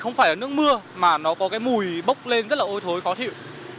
không phải là nước mưa mà nó có cái mùi bốc lên rất là ôi thối khó thiệu